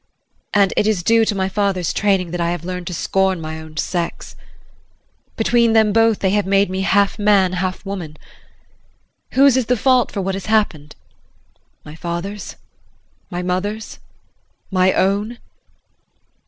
And it is due to my father's training that I have learned to scorn my own sex. Between them both they have made me half man, half woman. Whose is the fault for what has happened my father's? My mother's? My own?